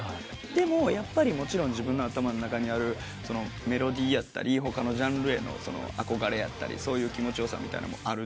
でもやっぱりもちろん自分の頭の中にあるメロディーやったり他のジャンルへの憧れやったりそういう気持ちよさみたいなのもある。